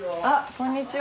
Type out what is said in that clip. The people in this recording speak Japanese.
こんにちは。